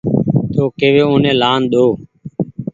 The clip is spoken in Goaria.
تو ڪيوي اوني لآن ۮئو